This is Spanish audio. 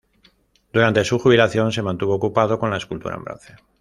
Durante su jubilación se mantuvo ocupado con la escultura en bronce.